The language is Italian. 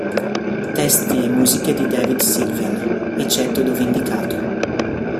Testi e musiche di David Sylvian, eccetto dove indicato.